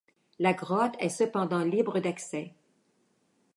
La grotte est cependant libre d'accès.